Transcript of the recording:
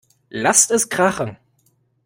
Lasst es krachen!